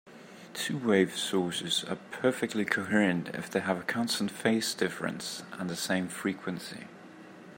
Two-wave sources are perfectly coherent if they have a constant phase difference and the same frequency.